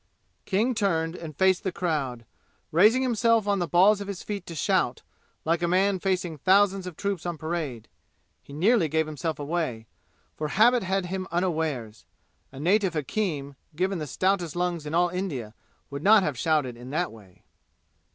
King turned and faced the crowd, raising himself on the balls of his feet to shout, like a man facing thousands of troops on parade. He nearly gave himself away, for habit had him unawares. A native hakim, given the stoutest lungs in all India, would not have shouted in that way.